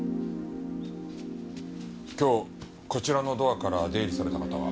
今日こちらのドアから出入りされた方は？